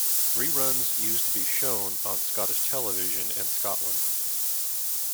Reruns used to be shown on Scottish Television in Scotland.